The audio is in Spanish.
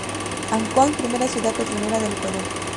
Ancón, primera ciudad petrolera del Ecuador.